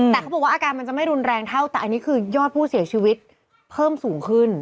แต่เขาบอกว่าอาการมันจะไม่รุนแรงเท่าแต่อันนี้คือยอดผู้เสียชีวิตเพิ่มสูงขึ้น